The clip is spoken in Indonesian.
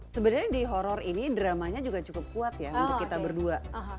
sebenarnya di horror ini dramanya juga cukup kuat ya untuk kita berdua